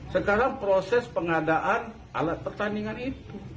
sekarang proses pengadaan alat pertandingan itu